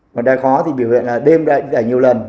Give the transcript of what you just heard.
mà đai khó thì biểu hiện là đêm đẩy nhiều lần